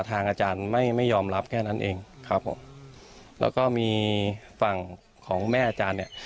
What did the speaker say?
ทางอาจารย์ไม่ไม่ยอมรับแค่นั้นเองครับผมแล้วก็มีฝั่งของแม่อาจารย์เนี่ย